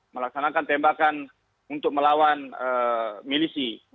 melaksanakan tembakan untuk melawan milisi